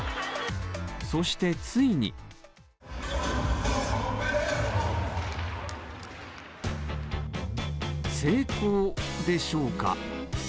そしてついに成功でしょうか。